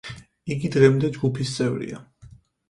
იგი დღემდე ჯგუფის წევრია.